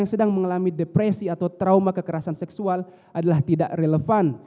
yang sedang mengalami depresi atau trauma kekerasan seksual adalah tidak relevan